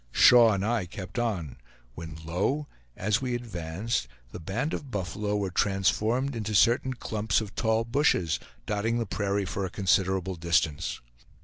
Shaw and I kept on; when lo! as we advanced, the band of buffalo were transformed into certain clumps of tall bushes, dotting the prairie for a considerable distance.